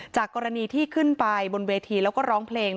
จากกรณีที่ขึ้นไปบนเวทีแล้วก็ร้องเพลง